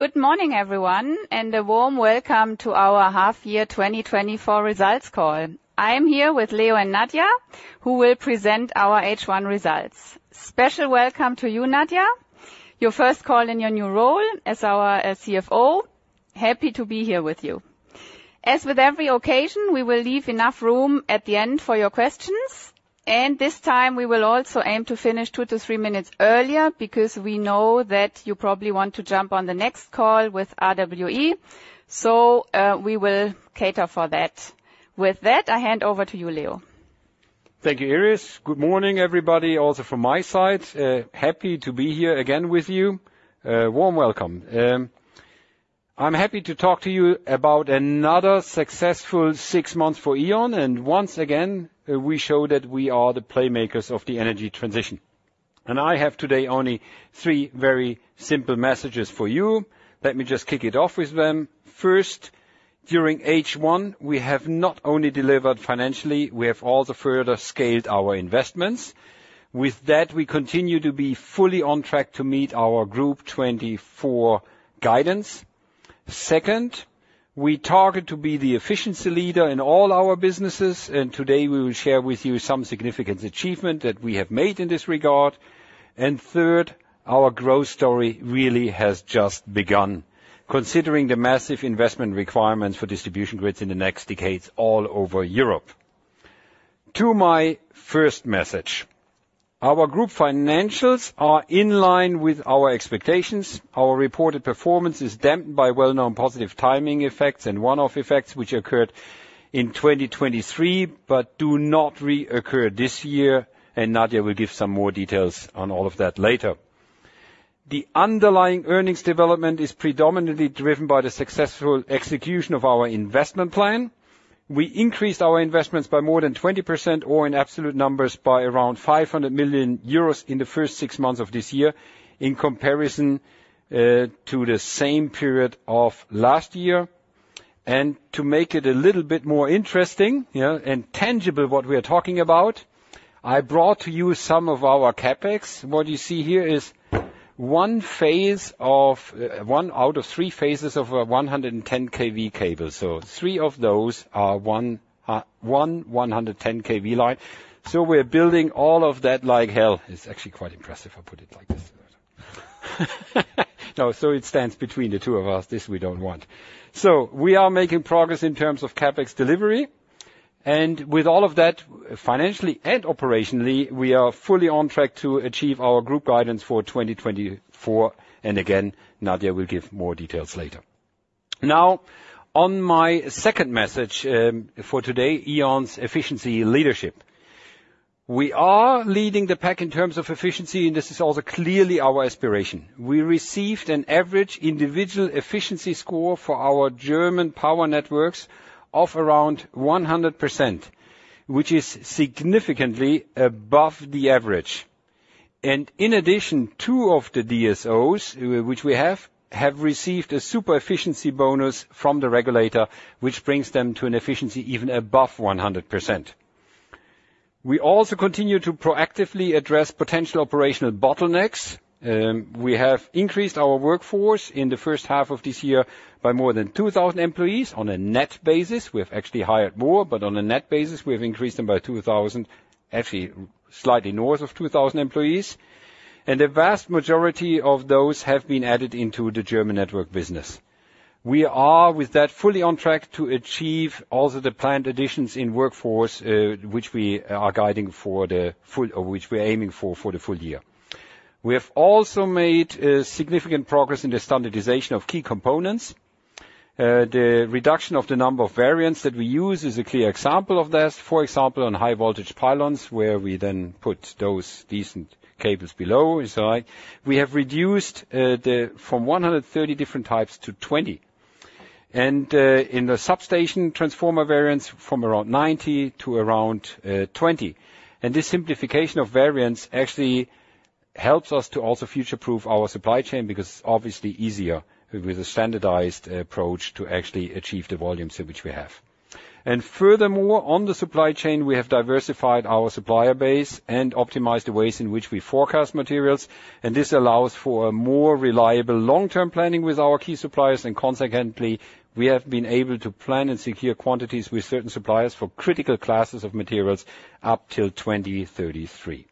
...Good morning, everyone, and a warm welcome to our half year 2024 results call. I am here with Leo and Nadia, who will present our H1 results. Special welcome to you, Nadia. Your first call in your new role as our CFO. Happy to be here with you. As with every occasion, we will leave enough room at the end for your questions, and this time we will also aim to finish 2-3 minutes earlier, because we know that you probably want to jump on the next call with RWE, so, we will cater for that. With that, I hand over to you, Leo. Thank you, Iris. Good morning, everybody, also from my side. Happy to be here again with you. Warm welcome. I'm happy to talk to you about another successful six months for E.ON, and once again, we show that we are the playmakers of the energy transition. I have today only three very simple messages for you. Let me just kick it off with them. First, during H1, we have not only delivered financially, we have also further scaled our investments. With that, we continue to be fully on track to meet our Group 2024 guidance. Second, we target to be the efficiency leader in all our businesses, and today we will share with you some significant achievement that we have made in this regard. And third, our growth story really has just begun, considering the massive investment requirements for distribution grids in the next decades all over Europe. To my first message, our group financials are in line with our expectations. Our reported performance is dampened by well-known positive timing effects and one-off effects, which occurred in 2023, but do not reoccur this year, and Nadia will give some more details on all of that later. The underlying earnings development is predominantly driven by the successful execution of our investment plan. We increased our investments by more than 20%, or in absolute numbers, by around 500 million euros in the first six months of this year in comparison to the same period of last year. To make it a little bit more interesting, yeah, and tangible, what we are talking about, I brought to you some of our CapEx. What you see here is one phase of one out of three phases of a 110 kV cable. So three of those are one 110 kV line. So we're building all of that like hell. It's actually quite impressive, I put it like this. Now, so it stands between the two of us. This we don't want. So we are making progress in terms of CapEx delivery, and with all of that, financially and operationally, we are fully on track to achieve our group guidance for 2024. And again, Nadia will give more details later. Now, on my second message for today, E.ON's efficiency leadership. We are leading the pack in terms of efficiency, and this is also clearly our aspiration. We received an average individual efficiency score for our German power networks of around 100%, which is significantly above the average. In addition, two of the DSOs, which we have, have received a super efficiency bonus from the regulator, which brings them to an efficiency even above 100%. We also continue to proactively address potential operational bottlenecks. We have increased our workforce in the first half of this year by more than 2,000 employees on a net basis. We've actually hired more, but on a net basis, we have increased them by 2,000, actually, slightly north of 2,000 employees. And the vast majority of those have been added into the German network business. We are, with that, fully on track to achieve also the planned additions in workforce, which we are guiding for the full... or which we're aiming for, for the full year. We have also made significant progress in the standardization of key components. The reduction of the number of variants that we use is a clear example of this. For example, on high voltage pylons, where we then put those decent cables below inside, we have reduced from 130 different types to 20. And, in the substation transformer variants from around 90 to around 20. And this simplification of variants actually helps us to also future-proof our supply chain, because it's obviously easier with a standardized approach to actually achieve the volumes which we have. And furthermore, on the supply chain, we have diversified our supplier base and optimized the ways in which we forecast materials, and this allows for a more reliable long-term planning with our key suppliers. Consequently, we have been able to plan and secure quantities with certain suppliers for critical classes of materials up till 2033.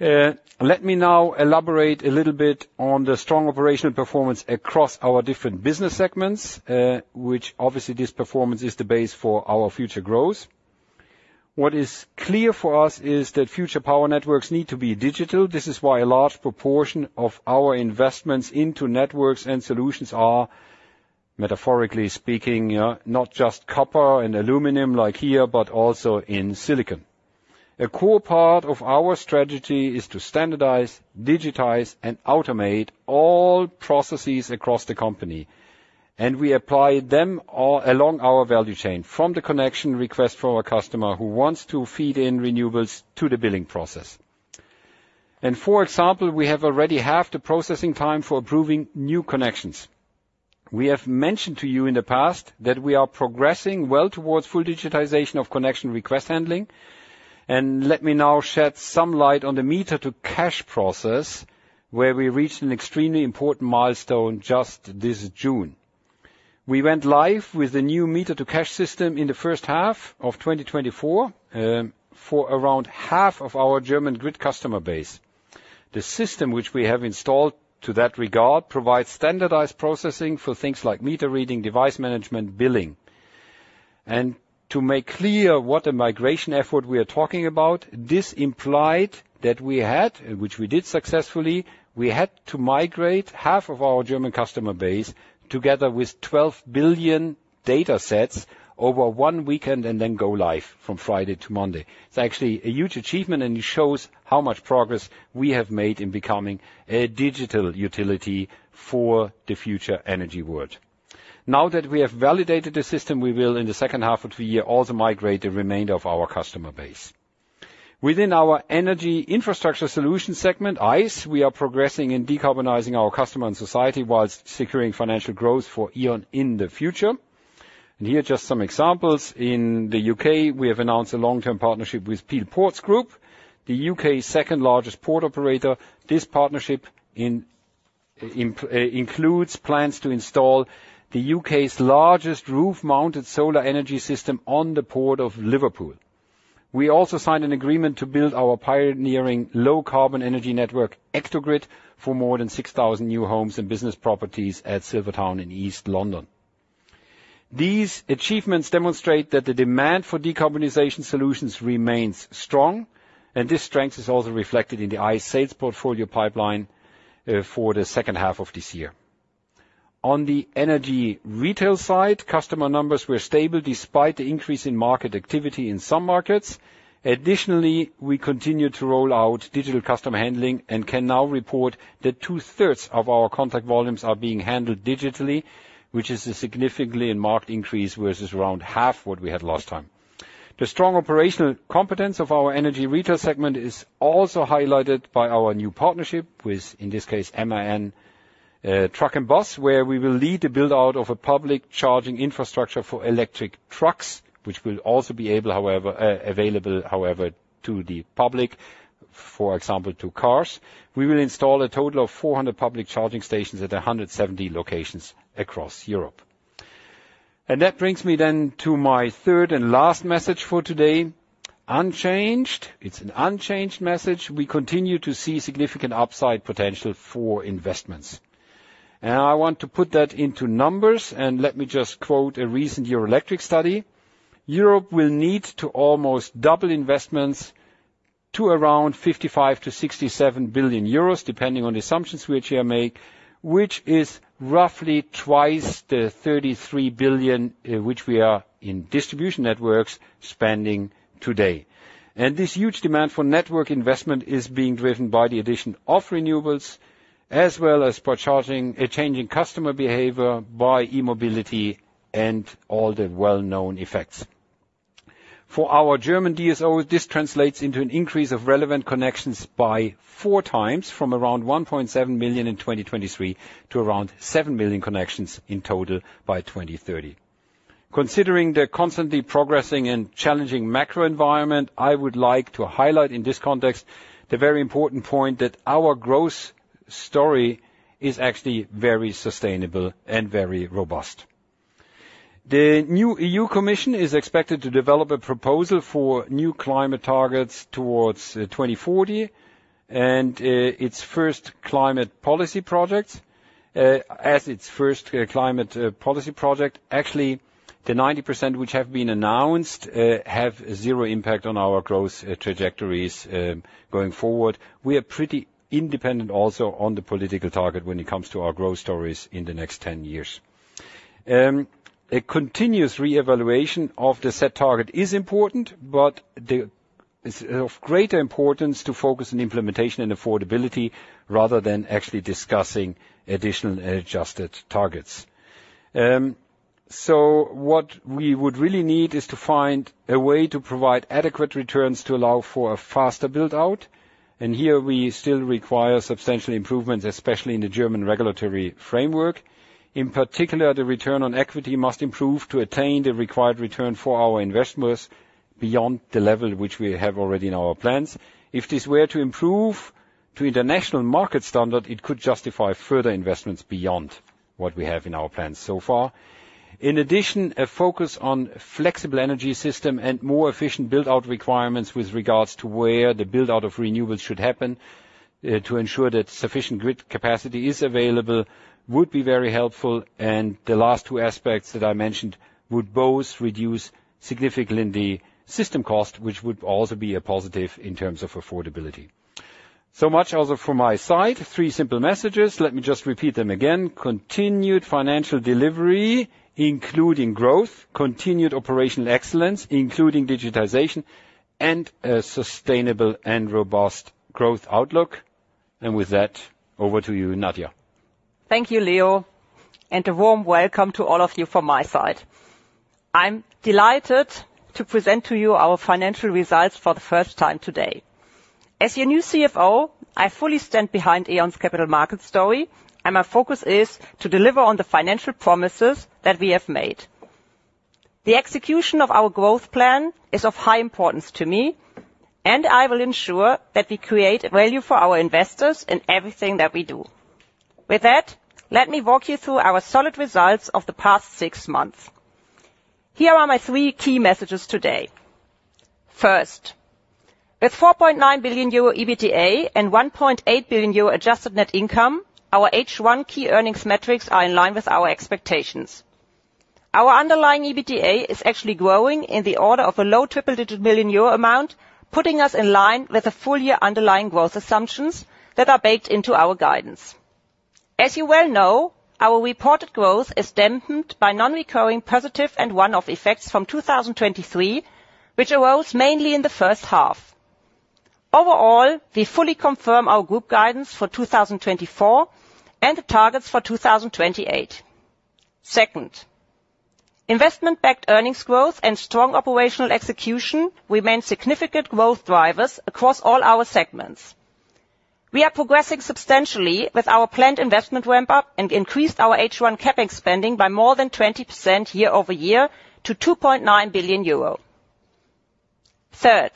Let me now elaborate a little bit on the strong operational performance across our different business segments, which obviously this performance is the base for our future growth. What is clear for us is that future power networks need to be digital. This is why a large proportion of our investments into networks and solutions are, metaphorically speaking, not just copper and aluminum like here, but also in silicon. A core part of our strategy is to standardize, digitize, and automate all processes across the company, and we apply them all along our value chain, from the connection request for our customer who wants to feed in renewables to the billing process. For example, we have already halved the processing time for approving new connections. We have mentioned to you in the past that we are progressing well towards full digitization of connection request handling. Let me now shed some light on the meter to cash process, where we reached an extremely important milestone just this June. We went live with the new meter to cash system in the first half of 2024, for around half of our German grid customer base. The system which we have installed to that regard provides standardized processing for things like meter reading, device management, billing. To make clear what a migration effort we are talking about, this implied that we had, and which we did successfully, we had to migrate half of our German customer base, together with 12 billion data sets over one weekend, and then go live from Friday to Monday. It's actually a huge achievement, and it shows how much progress we have made in becoming a digital utility for the future energy world. Now that we have validated the system, we will, in the second half of the year, also migrate the remainder of our customer base. Within our Energy Infrastructure Solutions segment, EIS, we are progressing in decarbonizing our customer and society while securing financial growth for E.ON in the future. Here are just some examples. In the UK, we have announced a long-term partnership with Peel Ports Group, the UK's second-largest port operator. This partnership includes plans to install the UK's largest roof-mounted solar energy system on the Port of Liverpool. We also signed an agreement to build our pioneering low-carbon energy network, ectogrid, for more than 6,000 new homes and business properties at Silvertown in East London. These achievements demonstrate that the demand for decarbonization solutions remains strong, and this strength is also reflected in the EIS sales portfolio pipeline for the second half of this year. On the energy retail side, customer numbers were stable despite the increase in market activity in some markets. Additionally, we continued to roll out digital customer handling and can now report that two-thirds of our contact volumes are being handled digitally, which is a significantly and marked increase, versus around half what we had last time. The strong operational competence of our energy retail segment is also highlighted by our new partnership with, in this case, MAN Truck & Bus, where we will lead the build-out of a public charging infrastructure for electric trucks, which will also be able, however, available, however, to the public, for example, to cars. We will install a total of 400 public charging stations at 170 locations across Europe. And that brings me then to my third and last message for today: unchanged. It's an unchanged message. We continue to see significant upside potential for investments, and I want to put that into numbers. Let me just quote a recent Eurelectric study: "Europe will need to almost double investments to around 55 billion-67 billion euros, depending on the assumptions which you make, which is roughly twice the 33 billion, which we are, in distribution networks, spending today." This huge demand for network investment is being driven by the addition of renewables, as well as by a changing customer behavior, by e-mobility, and all the well-known effects. For our German DSO, this translates into an increase of relevant connections by four times, from around 1.7 million in 2023 to around 7 million connections in total by 2030. Considering the constantly progressing and challenging macro environment, I would like to highlight, in this context, the very important point that our growth story is actually very sustainable and very robust. The new EU Commission is expected to develop a proposal for new climate targets towards 2040, and its first climate policy project. Actually, the 90% which have been announced have zero impact on our growth trajectories going forward. We are pretty independent also on the political target when it comes to our growth stories in the next 10 years. A continuous re-evaluation of the set target is important, but it's of greater importance to focus on implementation and affordability rather than actually discussing additional adjusted targets. So what we would really need is to find a way to provide adequate returns to allow for a faster build-out, and here we still require substantial improvements, especially in the German regulatory framework. In particular, the return on equity must improve to attain the required return for our investors beyond the level which we have already in our plans. If this were to improve to international market standard, it could justify further investments beyond what we have in our plans so far. In addition, a focus on flexible energy system and more efficient build-out requirements with regards to where the build-out of renewables should happen, to ensure that sufficient grid capacity is available, would be very helpful. And the last two aspects that I mentioned would both reduce significantly the system cost, which would also be a positive in terms of affordability. So much also from my side, three simple messages. Let me just repeat them again: continued financial delivery, including growth, continued operational excellence, including digitization, and a sustainable and robust growth outlook. And with that, over to you, Nadia. Thank you, Leo, and a warm welcome to all of you from my side. I'm delighted to present to you our financial results for the first time today. ...As your new CFO, I fully stand behind E.ON's capital market story, and my focus is to deliver on the financial promises that we have made. The execution of our growth plan is of high importance to me, and I will ensure that we create value for our investors in everything that we do. With that, let me walk you through our solid results of the past six months. Here are my three key messages today. First, with 4.9 billion euro EBITDA, and 1.8 billion euro adjusted net income, our H1 key earnings metrics are in line with our expectations. Our underlying EBITDA is actually growing in the order of a low triple-digit million EUR amount, putting us in line with the full year underlying growth assumptions that are baked into our guidance. As you well know, our reported growth is dampened by non-recurring positive and one-off effects from 2023, which arose mainly in the first half. Overall, we fully confirm our group guidance for 2024, and the targets for 2028. Second, investment-backed earnings growth and strong operational execution remain significant growth drivers across all our segments. We are progressing substantially with our planned investment ramp-up and increased our H1 CapEx spending by more than 20% year-over-year to EUR 2.9 billion. Third,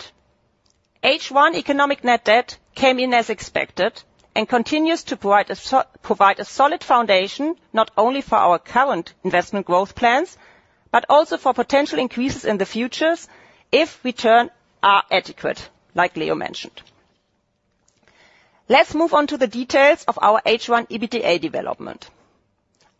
H1 economic net debt came in as expected and continues to provide a solid foundation, not only for our current investment growth plans, but also for potential increases in the future if returns are adequate, like Leo mentioned. Let's move on to the details of our H1 EBITDA development.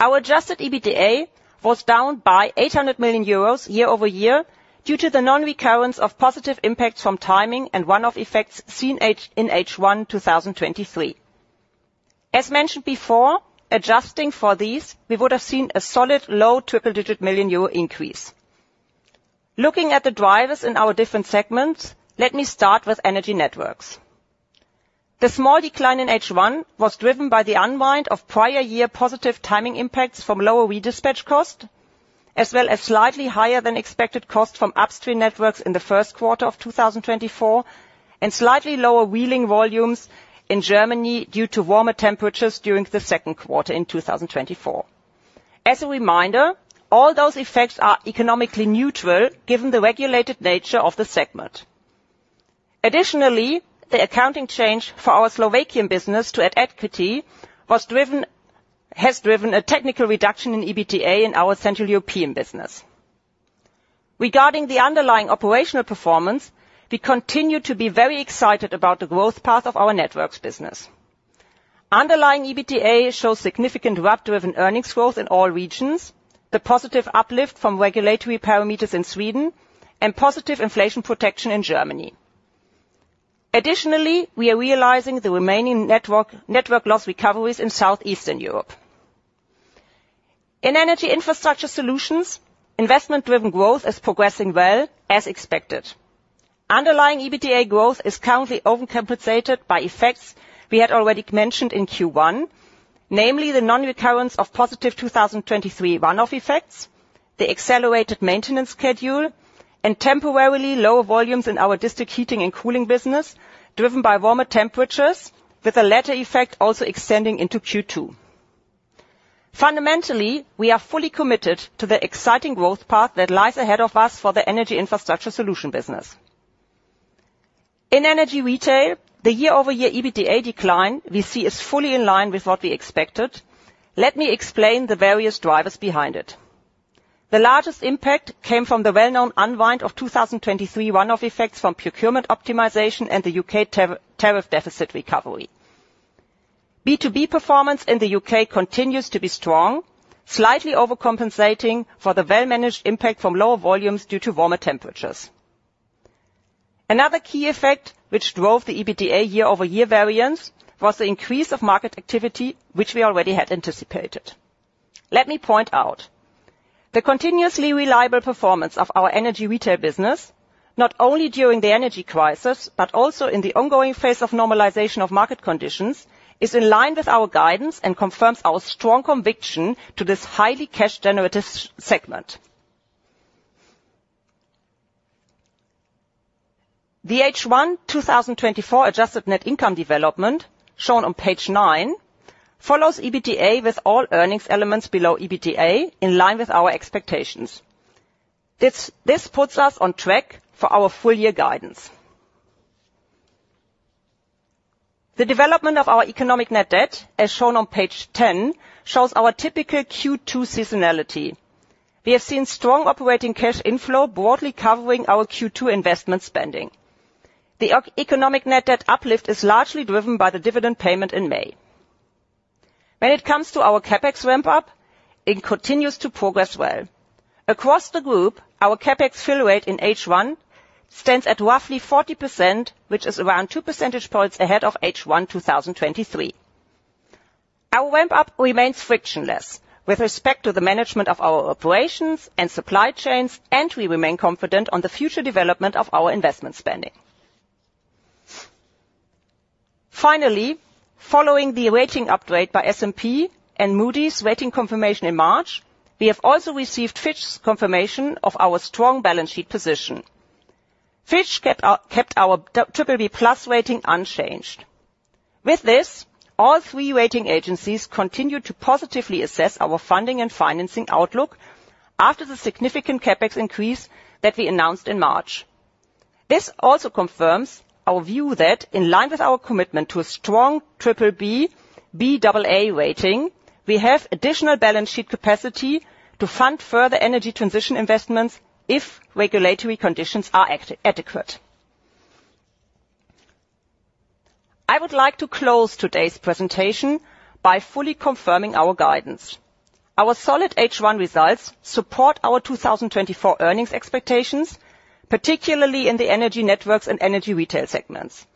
Our adjusted EBITDA was down by 800 million euros year-over-year, due to the non-recurrence of positive impacts from timing and one-off effects seen in H1 2023. As mentioned before, adjusting for these, we would have seen a solid low triple-digit million EUR increase. Looking at the drivers in our different segments, let me start with Energy Networks. The small decline in H1 was driven by the unwind of prior year positive timing impacts from lower redispatch cost, as well as slightly higher than expected cost from upstream networks in the first quarter of 2024, and slightly lower wheeling volumes in Germany due to warmer temperatures during the second quarter in 2024. As a reminder, all those effects are economically neutral given the regulated nature of the segment. Additionally, the accounting change for our Slovakian business to add equity was driven, has driven a technical reduction in EBITDA in our Central European business. Regarding the underlying operational performance, we continue to be very excited about the growth path of our networks business. Underlying EBITDA shows significant RAB-driven earnings growth in all regions, the positive uplift from regulatory parameters in Sweden, and positive inflation protection in Germany. Additionally, we are realizing the remaining network loss recoveries in Southeastern Europe. In energy infrastructure solutions, investment-driven growth is progressing well, as expected. Underlying EBITDA growth is currently overcompensated by effects we had already mentioned in Q1, namely, the non-recurrence of positive 2023 one-off effects, the accelerated maintenance schedule, and temporarily lower volumes in our district heating and cooling business, driven by warmer temperatures, with the latter effect also extending into Q2. Fundamentally, we are fully committed to the exciting growth path that lies ahead of us for the Energy Infrastructure Solutions business. In Energy Retail, the year-over-year EBITDA decline we see is fully in line with what we expected. Let me explain the various drivers behind it. The largest impact came from the well-known unwind of 2023 one-off effects from procurement optimization and the UK tariff deficit recovery. B2B performance in the UK continues to be strong, slightly overcompensating for the well-managed impact from lower volumes due to warmer temperatures. Another key effect, which drove the EBITDA year-over-year variance, was the increase of market activity, which we already had anticipated. Let me point out, the continuously reliable performance of our energy retail business, not only during the energy crisis, but also in the ongoing phase of normalization of market conditions, is in line with our guidance and confirms our strong conviction to this highly cash-generative segment. The H1 2024 adjusted net income development, shown on page 9, follows EBITDA with all earnings elements below EBITDA in line with our expectations. This, this puts us on track for our full year guidance. The development of our economic net debt, as shown on page 10, shows our typical Q2 seasonality. We have seen strong operating cash inflow broadly covering our Q2 investment spending. The economic net debt uplift is largely driven by the dividend payment in May. When it comes to our CapEx ramp-up, it continues to progress well. Across the group, our CapEx fill rate in H1 stands at roughly 40%, which is around two percentage points ahead of H1 2023. Our ramp-up remains frictionless with respect to the management of our operations and supply chains, and we remain confident on the future development of our investment spending. Finally, following the rating upgrade by S&P and Moody's rating confirmation in March, we have also received Fitch's confirmation of our strong balance sheet position. Fitch kept our BBB+ rating unchanged. With this, all three rating agencies continue to positively assess our funding and financing outlook after the significant CapEx increase that we announced in March. This also confirms our view that in line with our commitment to a strong BBB, Baa rating, we have additional balance sheet capacity to fund further energy transition investments if regulatory conditions are adequate. I would like to close today's presentation by fully confirming our guidance. Our solid H1 results support our 2024 earnings expectations, particularly in the Energy Networks and Energy Retail segments.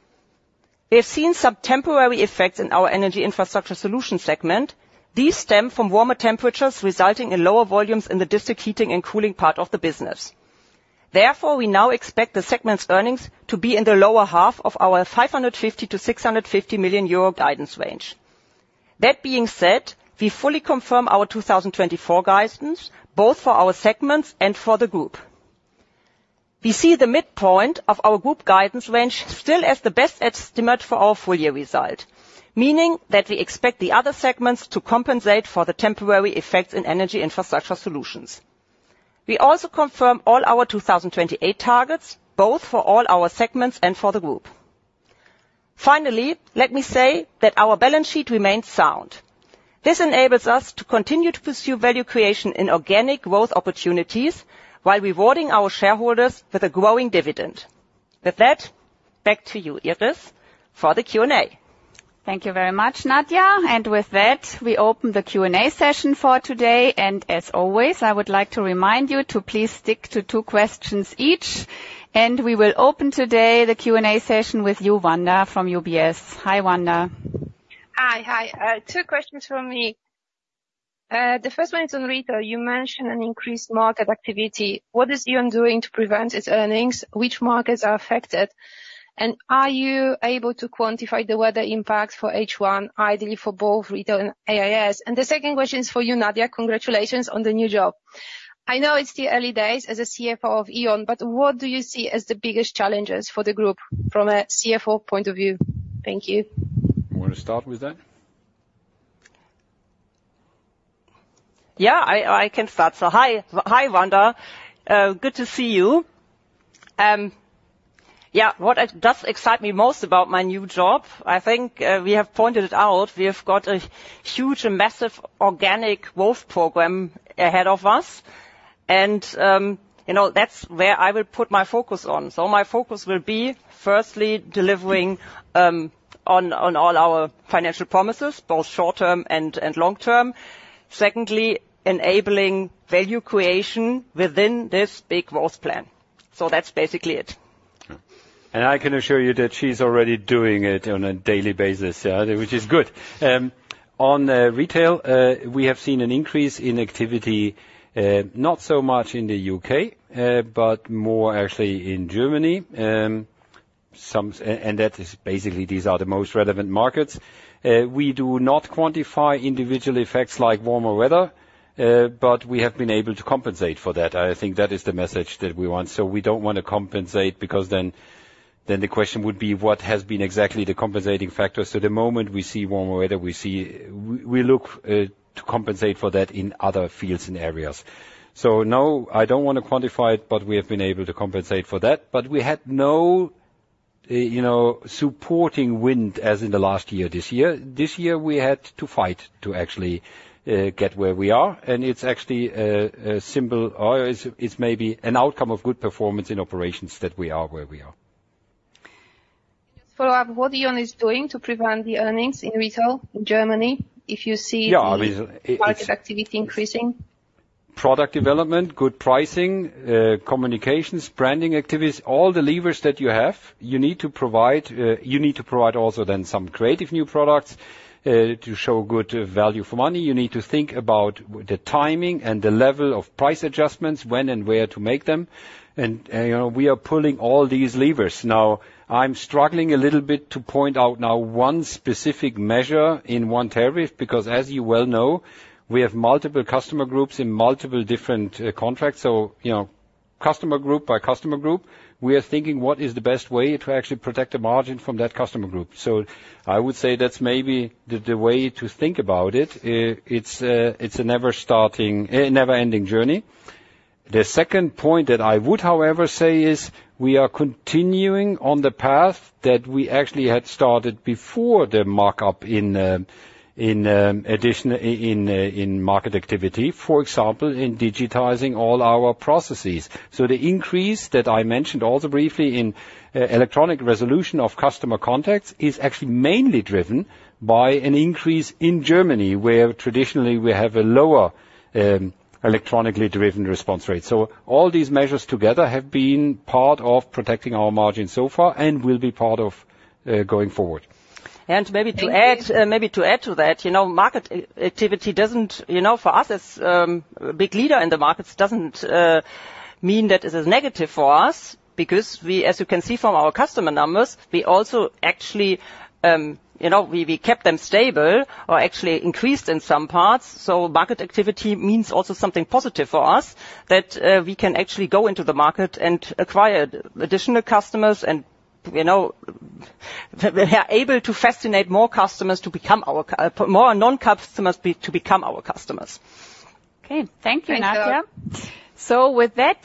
We have seen some temporary effects in our energy infrastructure solution segment. These stem from warmer temperatures, resulting in lower volumes in the district heating and cooling part of the business. Therefore, we now expect the segment's earnings to be in the lower half of our 550 million-650 million euro guidance range. That being said, we fully confirm our 2024 guidance, both for our segments and for the group. We see the midpoint of our group guidance range still as the best estimate for our full year result, meaning that we expect the other segments to compensate for the temporary effects in Energy Infrastructure Solutions. We also confirm all our 2028 targets, both for all our segments and for the group. Finally, let me say that our balance sheet remains sound. This enables us to continue to pursue value creation and organic growth opportunities, while rewarding our shareholders with a growing dividend. With that, back to you, Iris, for the Q&A. Thank you very much, Nadia. With that, we open the Q&A session for today, and as always, I would like to remind you to please stick to two questions each, and we will open today the Q&A session with you, Wanda, from UBS. Hi, Wanda. Hi. Hi. Two questions from me. The first one is on retail. You mentioned an increased market activity. What is E.ON doing to prevent its earnings? Which markets are affected? And are you able to quantify the weather impact for H1, ideally for both retail and AIS? And the second question is for you, Nadia. Congratulations on the new job. I know it's the early days as a CFO of E.ON, but what do you see as the biggest challenges for the group from a CFO point of view? Thank you. You want to start with that? Yeah, I can start. So, hi. Hi, Wanda. Good to see you. Yeah, what does excite me most about my new job? I think we have pointed it out. We have got a huge and massive organic growth program ahead of us, and you know, that's where I will put my focus on. So my focus will be, firstly, delivering on all our financial promises, both short-term and long-term. Secondly, enabling value creation within this big growth plan. So that's basically it. I can assure you that she's already doing it on a daily basis, yeah, which is good. On retail, we have seen an increase in activity, not so much in the U.K., but more actually in Germany. And that is basically, these are the most relevant markets. We do not quantify individual effects like warmer weather, but we have been able to compensate for that. I think that is the message that we want. So we don't want to compensate, because then, then the question would be: What has been exactly the compensating factor? So the moment we see warmer weather, we see... We look to compensate for that in other fields and areas. So no, I don't want to quantify it, but we have been able to compensate for that. But we had no, you know, supporting wind, as in the last year, this year. This year, we had to fight to actually get where we are, and it's actually a symbol, or it's maybe an outcome of good performance in operations that we are where we are. Follow-up, what E.ON is doing to prevent the earnings in retail in Germany, if you see- Yeah, I mean, it's- market activity increasing? Product development, good pricing, communications, branding activities, all the levers that you have, you need to provide, you need to provide also then some creative new products, to show good value for money. You need to think about the timing and the level of price adjustments, when and where to make them. And, we are pulling all these levers. Now, I'm struggling a little bit to point out now one specific measure in one tariff, because as you well know, we have multiple customer groups in multiple different, contracts. So, you know, customer group by customer group, we are thinking, what is the best way to actually protect the margin from that customer group? So I would say that's maybe the way to think about it. It's a never-ending journey. The second point that I would, however, say is we are continuing on the path that we actually had started before the markup in addition in market activity, for example, in digitizing all our processes. So the increase that I mentioned also briefly in electronic resolution of customer contacts is actually mainly driven by an increase in Germany, where traditionally we have a lower electronically-driven response rate. So all these measures together have been part of protecting our margin so far and will be part of going forward. Maybe to add- Thank you. Maybe to add to that, you know, market activity doesn't, you know, for us, as a big leader in the markets, doesn't mean that it is negative for us. Because we, as you can see from our customer numbers, we also actually, you know, we kept them stable or actually increased in some parts. So market activity means also something positive for us, that we can actually go into the market and acquire additional customers, and, you know, that we are able to fascinate more non-customers to become our customers. Okay, thank you, Nadia. Thank you. So with that,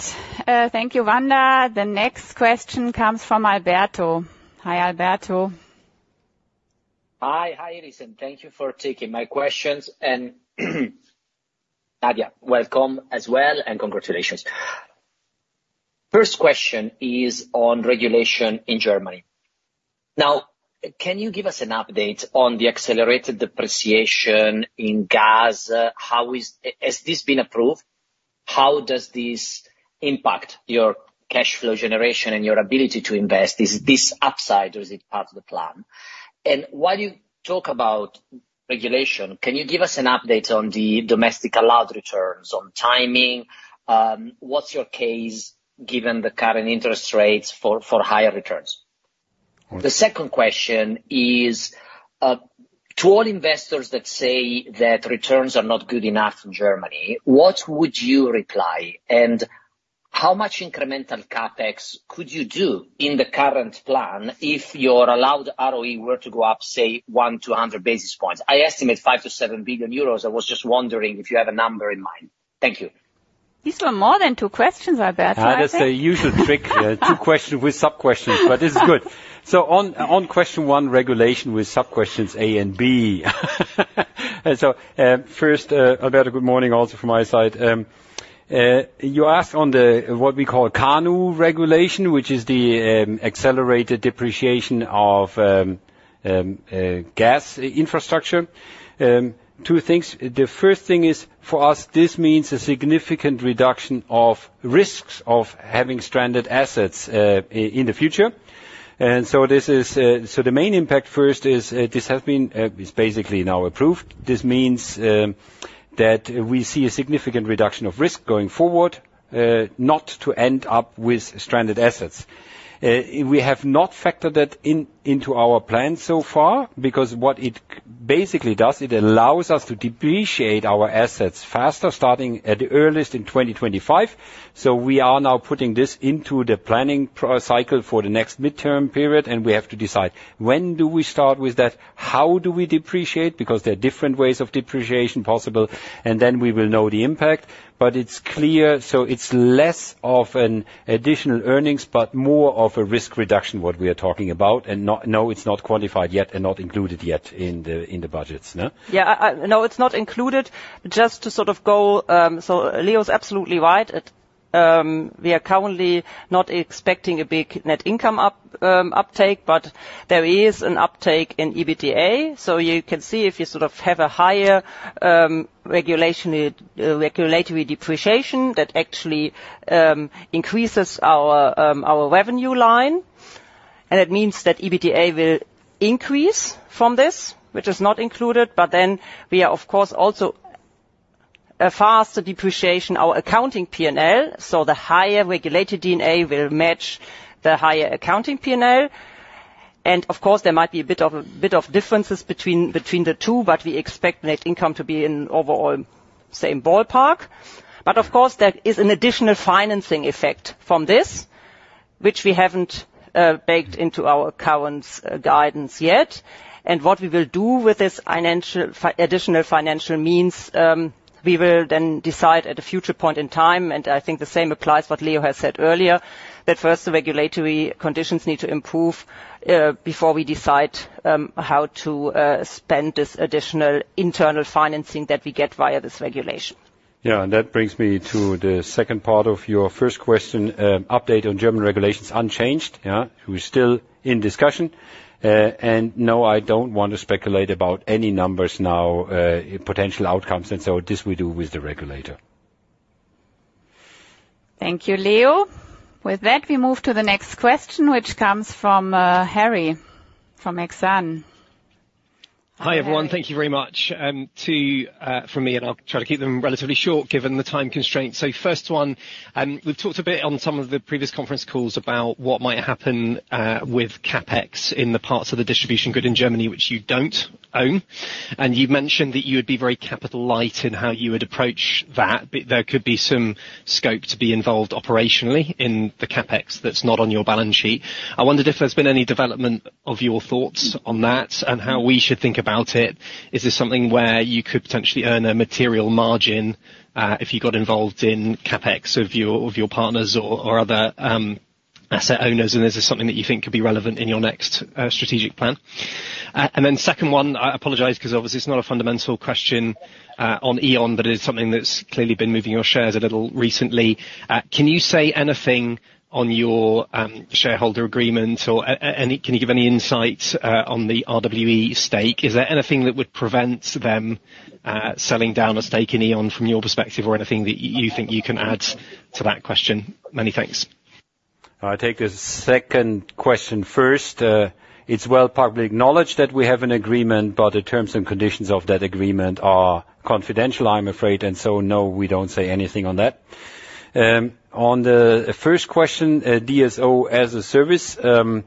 thank you, Wanda. The next question comes from Alberto. Hi, Alberto. Hi. Hi, Alison. Thank you for taking my questions. And Nadia, welcome as well, and congratulations. First question is on regulation in Germany. Now, can you give us an update on the accelerated depreciation in gas? Has this been approved? How does this impact your cash flow generation and your ability to invest? Is this upside, or is it part of the plan? And while you talk about regulation, can you give us an update on the domestic allowed returns, on timing? What's your case, given the current interest rates for higher returns? The second question is to all investors that say that returns are not good enough in Germany, what would you reply? And how much incremental CapEx could you do in the current plan if your allowed ROE were to go up, say, 1 to 100 basis points? I estimate 5 billion-7 billion euros. I was just wondering if you have a number in mind. Thank you. These were more than two questions, Alberto, I think. That's the usual trick, two questions with sub-questions, but this is good. So on, on question one, regulation with sub-questions A and B. And so, first, Alberto, good morning also from my side. You asked on the, what we call KANU regulation, which is the, accelerated depreciation of, gas infrastructure. Two things. The first thing is, for us, this means a significant reduction of risks of having stranded assets, in the future. And so this is, So the main impact first is, this has been, is basically now approved. This means, that we see a significant reduction of risk going forward, not to end up with stranded assets. We have not factored that in, into our plan so far, because what it basically does, it allows us to depreciate our assets faster, starting at the earliest in 2025. So we are now putting this into the planning process cycle for the next midterm period, and we have to decide: when do we start with that? How do we depreciate, because there are different ways of depreciation possible, and then we will know the impact. But it's clear, so it's less of an additional earnings, but more of a risk reduction, what we are talking about. And no, it's not quantified yet and not included yet in the, in the budgets, no? Yeah, no, it's not included. Just to sort of go, so Leo is absolutely right. We are currently not expecting a big net income uptake, but there is an uptake in EBITDA. So you can see if you sort of have a higher regulatory depreciation, that actually increases our our revenue line, and it means that EBITDA will increase from this, which is not included. But then we are, of course, also a faster depreciation, our accounting P&L, so the higher regulated depreciation will match the higher accounting P&L. And of course, there might be a bit of differences between the two, but we expect net income to be in overall same ballpark. But of course, there is an additional financing effect from this, which we haven't baked into our current guidance yet. What we will do with this financial additional financial means, we will then decide at a future point in time. I think the same applies what Leo has said earlier, that first, the regulatory conditions need to improve before we decide how to spend this additional internal financing that we get via this regulation. Yeah, and that brings me to the second part of your first question. Update on German regulations, unchanged, yeah. We're still in discussion. And no, I don't want to speculate about any numbers now, potential outcomes, and so this we do with the regulator. Thank you, Leo. With that, we move to the next question, which comes from Harry, from Exane. Hi, everyone. Thank you very much. Two from me, and I'll try to keep them relatively short, given the time constraints. So first one, we've talked a bit on some of the previous conference calls about what might happen with CapEx in the parts of the distribution grid in Germany, which you don't own. And you've mentioned that you would be very capital light in how you would approach that, but there could be some scope to be involved operationally in the CapEx that's not on your balance sheet. I wondered if there's been any development of your thoughts on that, and how we should think about it. Is this something where you could potentially earn a material margin if you got involved in CapEx of your, of your partners or, or other asset owners? Is this something that you think could be relevant in your next strategic plan? Then second one, I apologize, because obviously it's not a fundamental question on E.ON, but it's something that's clearly been moving your shares a little recently. Can you say anything on your shareholder agreement or any; can you give any insight on the RWE stake? Is there anything that would prevent them selling down a stake in E.ON from your perspective, or anything that you think you can add to that question? Many thanks. I'll take the second question first. It's well publicly acknowledged that we have an agreement, but the terms and conditions of that agreement are confidential, I'm afraid, and so, no, we don't say anything on that. On the first question, DSO as a service, what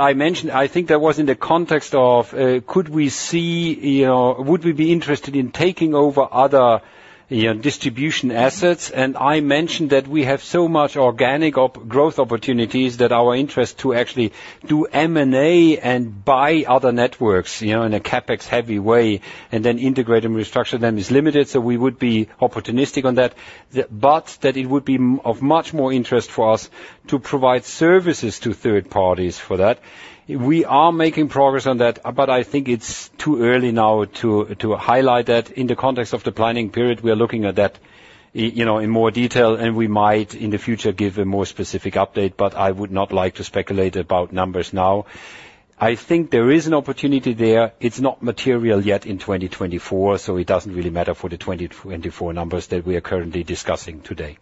I mentioned, I think that was in the context of, could we see, you know, would we be interested in taking over other, you know, distribution assets? And I mentioned that we have so much organic growth opportunities that our interest to actually do M&A and buy other networks, you know, in a CapEx-heavy way, and then integrate and restructure them, is limited. So we would be opportunistic on that, but that it would be of much more interest for us to provide services to third parties for that. We are making progress on that, but I think it's too early now to highlight that. In the context of the planning period, we are looking at that, you know, in more detail, and we might, in the future, give a more specific update, but I would not like to speculate about numbers now. I think there is an opportunity there. It's not material yet in 2024, so it doesn't really matter for the 2024 numbers that we are currently discussing today.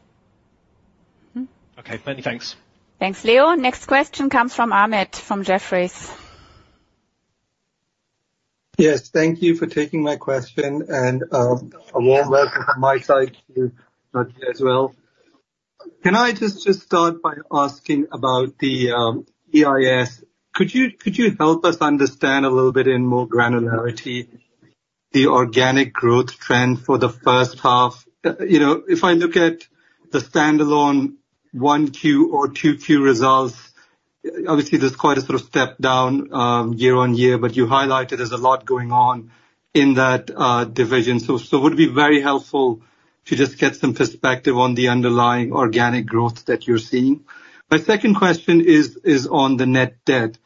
Okay, many thanks. Thanks, Leo. Next question comes from Amit, from Jefferies. Yes, thank you for taking my question, and a warm welcome from my side to you as well. Can I just start by asking about the EIS? Could you help us understand a little bit in more granularity, the organic growth trend for the first half? You know, if I look at the standalone 1Q or 2Q results, obviously, there's quite a sort of step down year-on-year, but you highlighted there's a lot going on in that division. So it would be very helpful to just get some perspective on the underlying organic growth that you're seeing. My second question is on the net debt.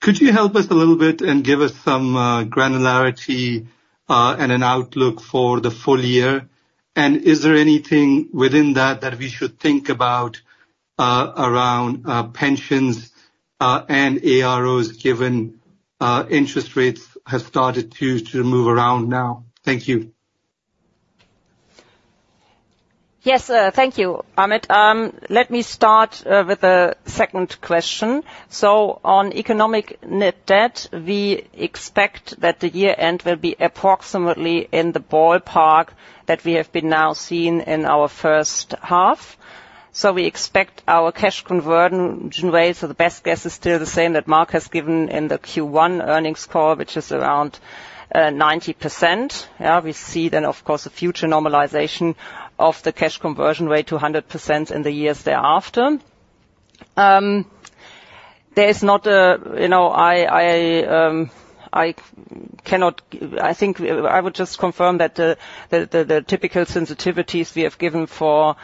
Could you help us a little bit and give us some granularity and an outlook for the full year? Is there anything within that that we should think about around pensions and AROs, given interest rates have started to move around now? Thank you. Yes, thank you, Amit. Let me start with the second question. So on economic net debt, we expect that the year-end will be approximately in the ballpark that we have been now seeing in our first half. So we expect our cash conversion rate, so the best guess is still the same, that Mark has given in the Q1 earnings call, which is around 90%. We see then, of course, a future normalization of the cash conversion rate to 100% in the years thereafter. There is not a... You know, I cannot—I think I would just confirm that the typical sensitivities we have given for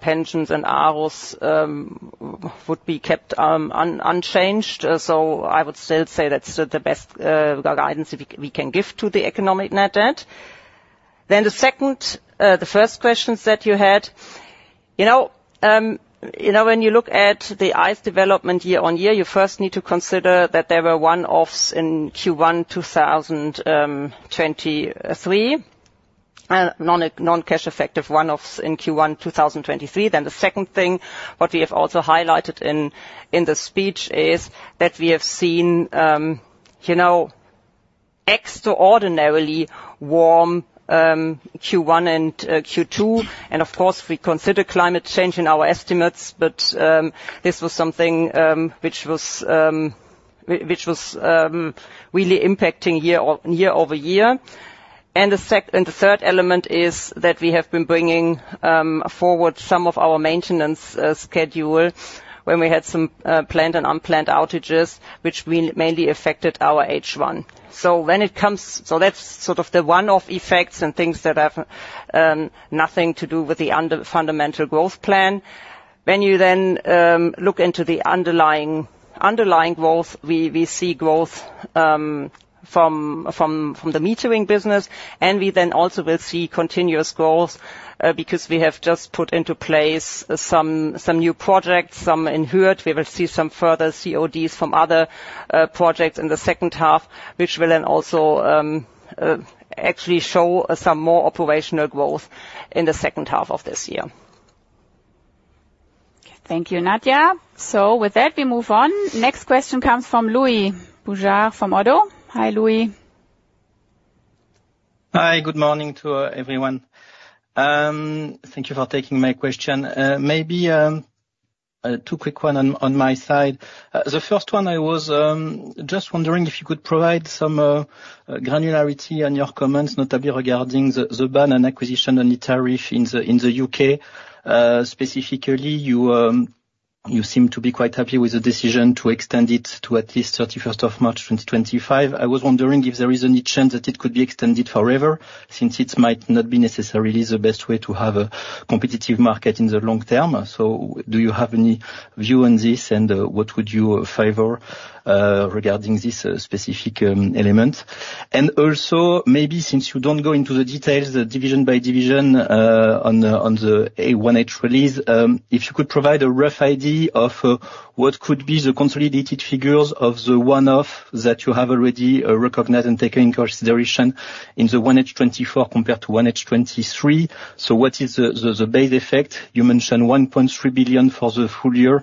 pensions and AROs would be kept unchanged. So I would still say that's the best guidance we can give to the economic net debt. Then the second, the first questions that you had. You know, you know, when you look at the ICE development year-over-year, you first need to consider that there were one-offs in Q1 2023, non-cash effective one-offs in Q1 2023. Then the second thing, what we have also highlighted in the speech, is that we have seen you know, extraordinarily warm Q1 and Q2. And of course, we consider climate change in our estimates, but this was something which was really impacting year-over-year. And the second and the third one felement is that we have been bringing forward some of our maintenance schedule when we had some planned and unplanned outages, which mainly affected our H1. So that's sort of the one-off effects and things that have nothing to do with the underlying fundamental growth plan. When you then look into the underlying growth, we see growth from the metering business, and we then also will see continuous growth because we have just put into place some new projects, some in Hurth. We will see some further CODs from other projects in the second half, which will then also actually show some more operational growth in the second half of this year. Thank you, Nadia. With that, we move on. Next question comes from Louis Boujard, from ODDO. Hi, Louis. Hi, good morning to everyone. Thank you for taking my question. Maybe two quick one on my side. The first one, I was just wondering if you could provide some granularity on your comments, notably regarding the ban on acquisition on the tariff in the UK. Specifically, you seem to be quite happy with the decision to extend it to at least 31st of March 2025. I was wondering if there is any chance that it could be extended forever, since it might not be necessarily the best way to have a competitive market in the long term. So do you have any view on this? And what would you favor regarding this specific element? Also, maybe since you don't go into the details, the division by division, on the 1H release, if you could provide a rough idea of what could be the consolidated figures of the one-off that you have already recognized and taken in consideration in the 1H 2024 compared to 1H 2023. So what is the base effect? You mentioned 1.3 billion for the full year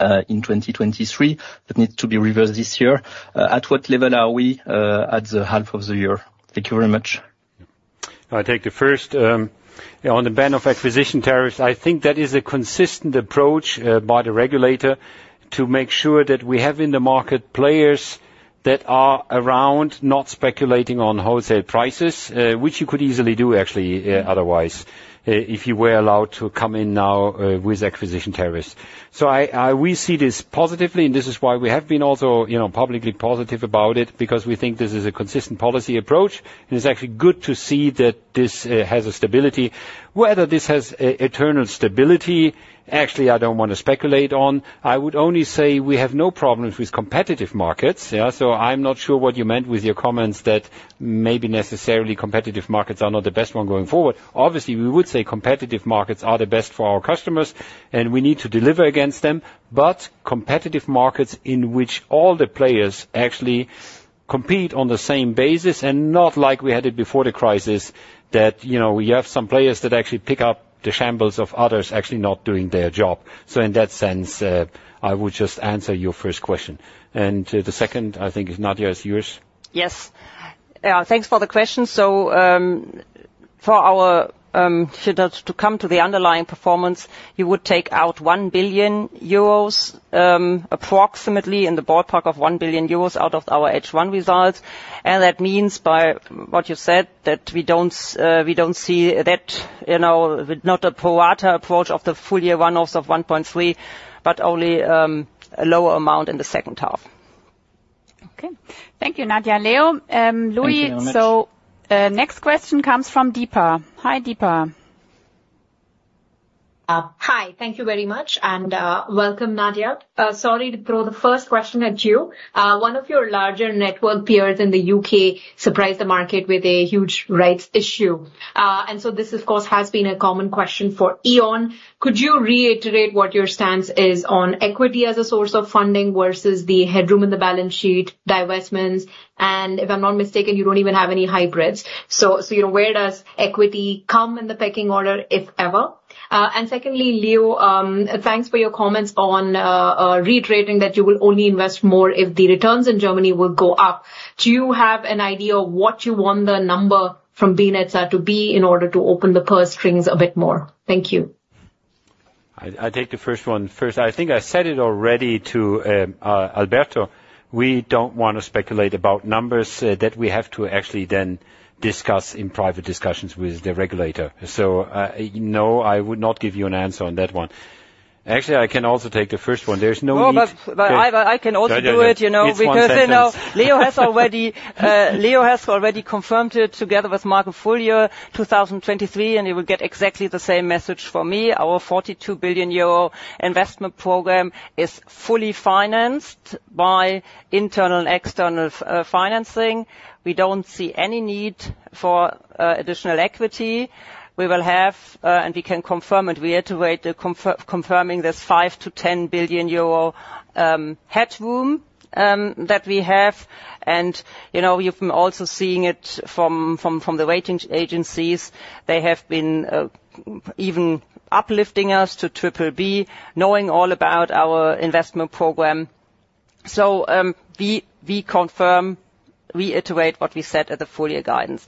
in 2023. That needs to be reversed this year. At what level are we at the half of the year? Thank you very much.... I take the first. On the ban of acquisition tariffs, I think that is a consistent approach by the regulator to make sure that we have in the market players that are around, not speculating on wholesale prices, which you could easily do actually, otherwise, if you were allowed to come in now with acquisition tariffs. So I we see this positively, and this is why we have been also, you know, publicly positive about it, because we think this is a consistent policy approach, and it's actually good to see that this has a stability. Whether this has eternal stability, actually, I don't want to speculate on. I would only say we have no problems with competitive markets, yeah? So I'm not sure what you meant with your comments that maybe necessarily competitive markets are not the best one going forward. Obviously, we would say competitive markets are the best for our customers, and we need to deliver against them. But competitive markets in which all the players actually compete on the same basis and not like we had it before the crisis, that, you know, you have some players that actually pick up the shambles of others actually not doing their job. So in that sense, I would just answer your first question. And, the second, I think, if Nadia is yours. Yes. Thanks for the question. So, for our shoulders to come to the underlying performance, you would take out 1 billion euros, approximately in the ballpark of 1 billion euros out of our H1 results. And that means by what you said, that we don't, we don't see that, you know, not a pro rata approach of the full year runoffs of 1.3 billion, but only a lower amount in the second half. Okay. Thank you, Nadia and Leo. Louis- Thank you very much. Next question comes from Deepa. Hi, Deepa. Hi. Thank you very much, and welcome, Nadia. Sorry to throw the first question at you. One of your larger network peers in the UK surprised the market with a huge rates issue. And so this, of course, has been a common question for E.ON. Could you reiterate what your stance is on equity as a source of funding versus the headroom in the balance sheet, divestments? And if I'm not mistaken, you don't even have any hybrids. So where does equity come in the pecking order, if ever? And secondly, Leo, thanks for your comments on reiterating that you will only invest more if the returns in Germany will go up. Do you have an idea of what you want the number from BNetzA to be in order to open the purse strings a bit more? Thank you. I take the first one. First, I think I said it already to Alberto, we don't want to speculate about numbers that we have to actually then discuss in private discussions with the regulator. So, no, I would not give you an answer on that one. Actually, I can also take the first one. There's no need- Well, but I can also do it, you know- Yeah, yeah. Because, you know- It's one sentence. Leonhard Birnbaum has already confirmed it together with Marc Spieker full year, 2023, and you will get exactly the same message from me. Our 42 billion euro investment program is fully financed by internal and external financing. We don't see any need for additional equity. We will have, and we can confirm it, we reiterate confirming this 5 billion-10 billion euro headroom that we have. And, you know, you've been also seeing it from the ratings agencies. They have been even uplifting us to triple B, knowing all about our investment program. So, we confirm, reiterate what we said at the full year guidance.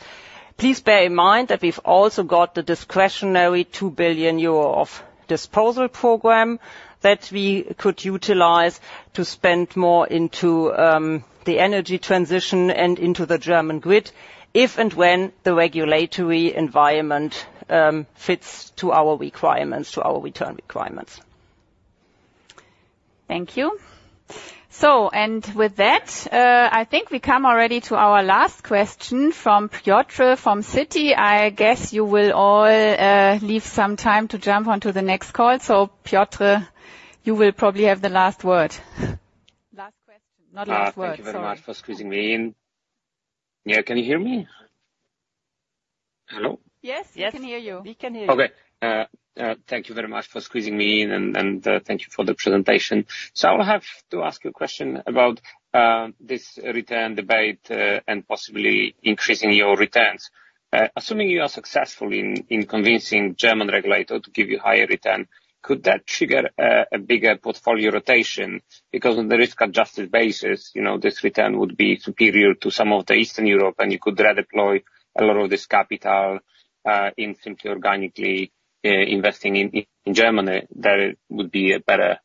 Please bear in mind that we've also got the discretionary 2 billion euro of disposal program that we could utilize to spend more into the energy transition and into the German grid, if and when the regulatory environment fits to our requirements, to our return requirements. Thank you. So, and with that, I think we come already to our last question from Piotr, from Citi. I guess you will all, leave some time to jump on to the next call. So, Piotr, you will probably have the last word. Last question, not last word, sorry. Thank you very much for squeezing me in. Yeah, can you hear me? Hello? Yes, we can hear you. Yes, we can hear you. Okay. Thank you very much for squeezing me in, and thank you for the presentation. So I'll have to ask you a question about this return debate and possibly increasing your returns. Assuming you are successful in convincing German regulator to give you higher return, could that trigger a bigger portfolio rotation? Because on the risk-adjusted basis, you know, this return would be superior to some of the Eastern Europe, and you could redeploy a lot of this capital in simply organically investing in Germany, that it would be a better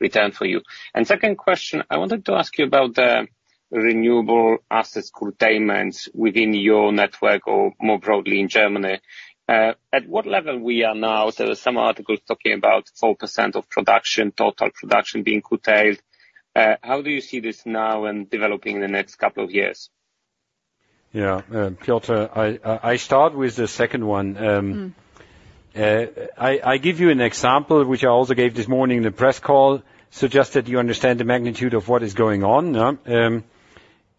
return for you. And second question, I wanted to ask you about the renewable assets curtailment within your network or more broadly in Germany. At what level we are now? There are some articles talking about 4% of production, total production being curtailed. How do you see this now and developing in the next couple of years? Yeah, Piotr, I start with the second one. I give you an example, which I also gave this morning in the press call, so just that you understand the magnitude of what is going on,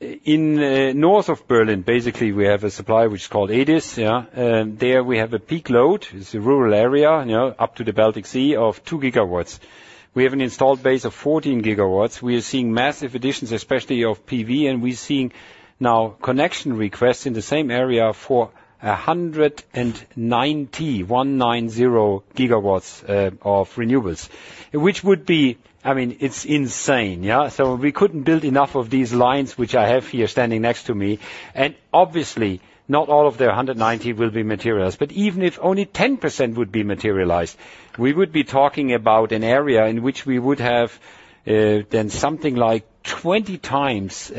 in north of Berlin, basically, we have a supplier, which is called E.DIS, yeah. There, we have a peak load, it's a rural area, you know, up to the Baltic Sea, of 2 gigawatts. We have an installed base of 14 gigawatts. We are seeing massive additions, especially of PV, and we're seeing now connection requests in the same area for 190 gigawatts of renewables. Which would be - I mean, it's insane, yeah? So we couldn't build enough of these lines, which I have here standing next to me. Obviously, not all of the 190 will be materials, but even if only 10% would be materialized, we would be talking about an area in which we would have, then something like 20 times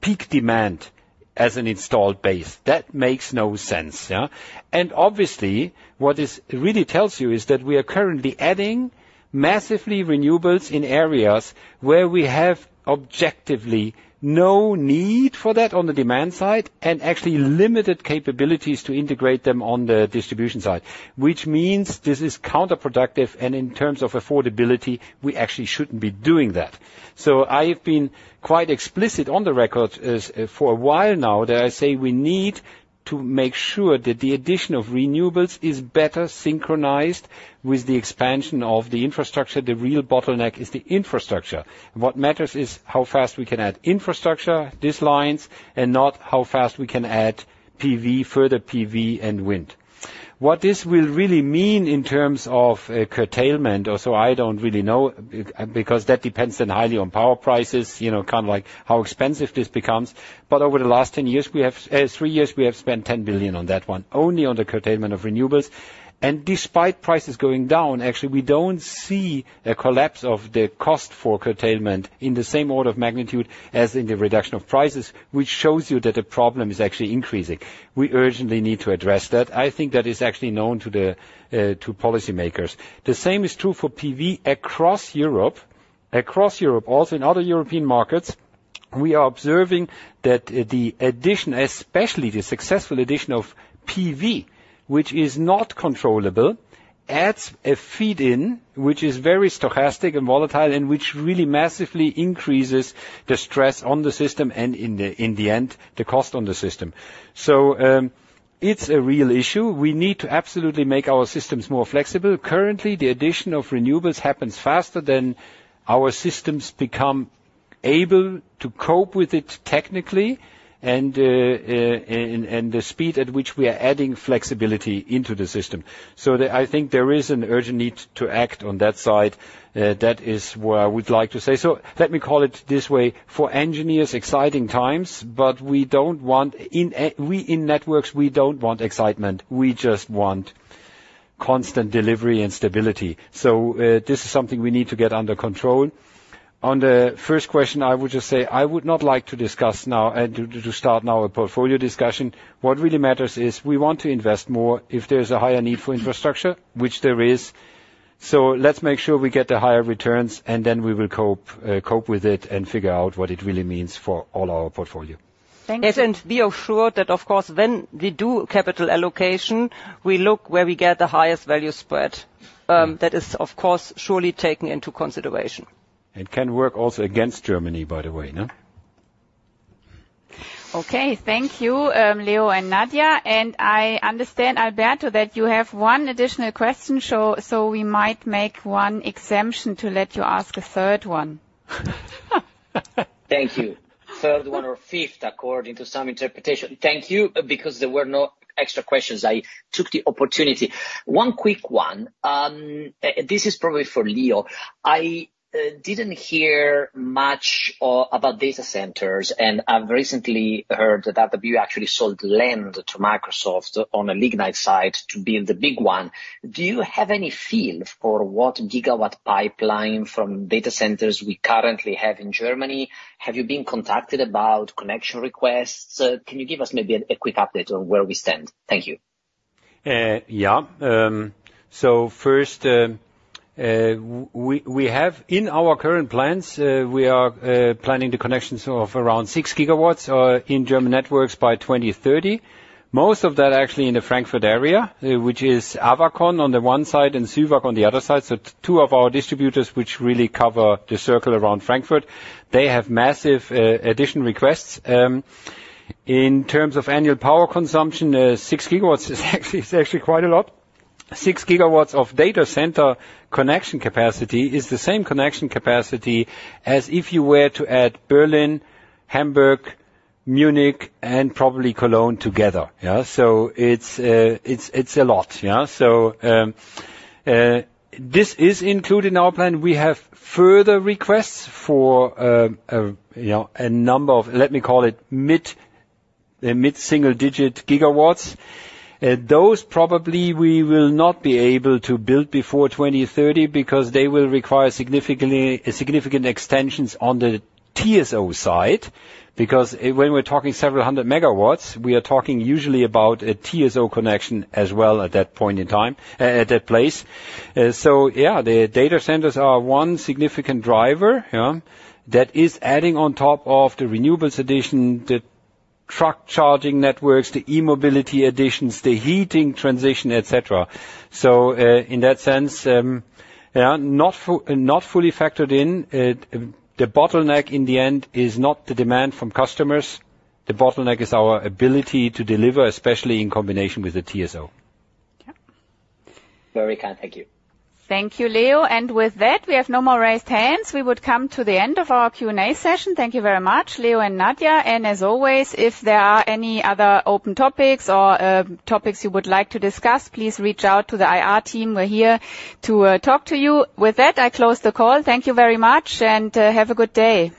peak demand as an installed base. That makes no sense, yeah. Obviously, what this really tells you is that we are currently adding massively renewables in areas where we have objectively no need for that on the demand side, and actually limited capabilities to integrate them on the distribution side. Which means this is counterproductive, and in terms of affordability, we actually shouldn't be doing that. I have been quite explicit on the record as, for a while now, that I say we need to make sure that the addition of renewables is better synchronized with the expansion of the infrastructure. The real bottleneck is the infrastructure. What matters is how fast we can add infrastructure, these lines, and not how fast we can add PV, further PV and wind. What this will really mean in terms of, curtailment or so, I don't really know, because that depends then highly on power prices, you know, kind of like how expensive this becomes. But over the last 10 years, we have, 3 years, we have spent 10 billion on that one, only on the curtailment of renewables. And despite prices going down, actually, we don't see a collapse of the cost for curtailment in the same order of magnitude as in the reduction of prices, which shows you that the problem is actually increasing. We urgently need to address that. I think that is actually known to the, to policymakers. The same is true for PV across Europe. Across Europe, also in other European markets, we are observing that the addition, especially the successful addition of PV, which is not controllable, adds a feed-in, which is very stochastic and volatile, and which really massively increases the stress on the system and, in the end, the cost on the system. So, it's a real issue. We need to absolutely make our systems more flexible. Currently, the addition of renewables happens faster than our systems become able to cope with it technically, and the speed at which we are adding flexibility into the system. So I think there is an urgent need to act on that side. That is what I would like to say. So let me call it this way, for engineers, exciting times, but we don't want, in a, we in networks, we don't want excitement, we just want constant delivery and stability. So, this is something we need to get under control. On the first question, I would just say, I would not like to discuss now and to, to start now a portfolio discussion. What really matters is we want to invest more if there is a higher need for infrastructure, which there is. So let's make sure we get the higher returns, and then we will cope, cope with it and figure out what it really means for all our portfolio. Thank you. Yes, and be assured that, of course, when we do capital allocation, we look where we get the highest value spread. That is, of course, surely taken into consideration. It can work also against Germany, by the way, no? Okay, thank you, Leo and Nadia. I understand, Alberto, that you have one additional question, so we might make one exemption to let you ask a third one. Thank you. Third one or fifth, according to some interpretation. Thank you, because there were no extra questions. I took the opportunity. One quick one. This is probably for Leo. I didn't hear much about data centers, and I've recently heard that you actually sold land to Microsoft on a lignite site to build the big one. Do you have any feel for what gigawatt pipeline from data centers we currently have in Germany? Have you been contacted about connection requests? Can you give us maybe a quick update on where we stand? Thank you. Yeah. So first, we have in our current plans, we are planning the connections of around 6 gigawatts in German networks by 2030. Most of that, actually, in the Frankfurt area, which is Avacon on the one side and Süwag on the other side. So two of our distributors, which really cover the circle around Frankfurt. They have massive addition requests. In terms of annual power consumption, 6 gigawatts is actually quite a lot. 6 gigawatts of data center connection capacity is the same connection capacity as if you were to add Berlin, Hamburg, Munich, and probably Cologne together. Yeah, so it's a lot, yeah? So this is included in our plan. We have further requests for a number of, let me call it mid-single-digit gigawatts. Those probably we will not be able to build before 2030 because they will require significant extensions on the TSO side. Because when we're talking several hundred megawatts, we are talking usually about a TSO connection as well at that point in time, at that place. So yeah, the data centers are one significant driver, yeah, that is adding on top of the renewables addition, the truck charging networks, the e-mobility additions, the heating transition, et cetera. So, in that sense, yeah, not fully factored in. The bottleneck, in the end, is not the demand from customers. The bottleneck is our ability to deliver, especially in combination with the TSO. Yeah. Very kind. Thank you. Thank you, Leo. And with that, we have no more raised hands. We would come to the end of our Q&A session. Thank you very much, Leo and Nadia. And as always, if there are any other open topics or topics you would like to discuss, please reach out to the IR team. We're here to talk to you. With that, I close the call. Thank you very much, and have a good day.